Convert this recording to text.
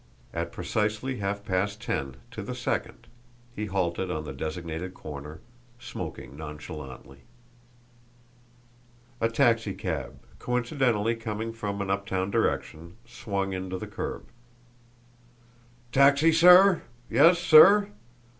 At precisely half past ten, to the second, he halted on the designated corner, smoking nonchalantly. A taxicab, coincidentally coming from an uptown direction, swung in to the curb. "Taxi, sir? Yes, sir?"